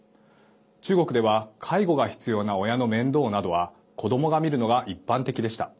中国では介護が必要な親の面倒などは子どもが見るのが一般的でした。